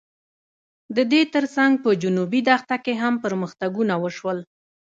د دې تر څنګ په جنوبي دښته کې هم پرمختګونه وشول.